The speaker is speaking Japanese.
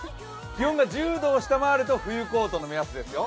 気温が１０度を下回ると冬コートの目安ですよ。